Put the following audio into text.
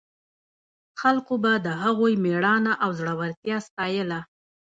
خلکو به د هغوی مېړانه او زړورتیا ستایله.